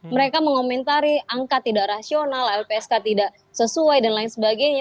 mereka mengomentari angka tidak rasional lpsk tidak sesuai dan lain sebagainya